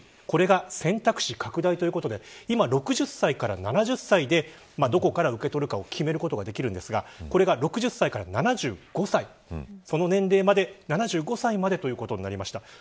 これが選択肢拡大ということで今、６０歳から７０歳でどこから受け取るかを決めることができるんですがこれが６０歳から７５歳までということになりました。